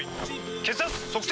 血圧測定！